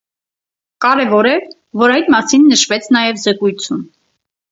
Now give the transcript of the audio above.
Կարևոր է, որ այդ մասին նշվեց նաև զեկույցում: